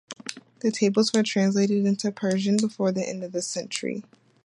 The tables were translated into Persian before the end of the century.